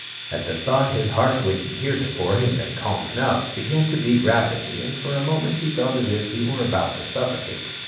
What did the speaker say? At the thought, his heart which heretofore had been calm enough, began to beat rapidly and for a moment he felt as if he were about to suffocate.